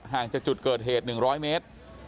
ห่างจากจุดเกิดเหตุ๑๐๐เมตร